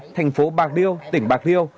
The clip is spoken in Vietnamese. thành phố bạc liêu tỉnh bạc liêu